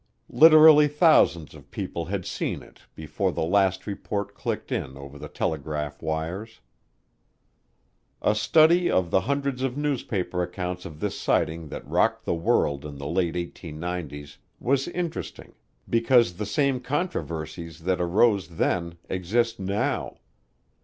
Literally thousands of people had seen it before the last report clicked in over the telegraph wires. A study of the hundreds of newspaper accounts of this sighting that rocked the world in the late 1890's was interesting because the same controversies that arose then exist now.